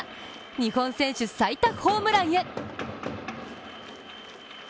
日本選手最多ホームランへ。